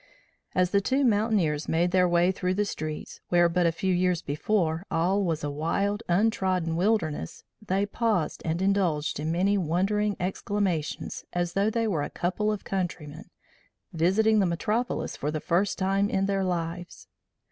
As the two veteran mountaineers made their way through the streets, where but a few years before all was a wild, untrodden wilderness, they paused and indulged in many wondering exclamations as though they were a couple of countrymen visiting the metropolis for the first time in their lives.